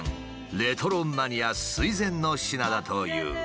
レトロマニア垂ぜんの品だという。